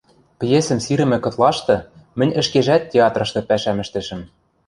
Пьесӹм сирӹмӹ кытлашты мӹнь ӹшкежӓт театрышты пӓшӓм ӹштӹшӹм.